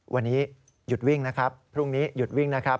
วันนี้หยุดวิ่งนะครับพรุ่งนี้หยุดวิ่งนะครับ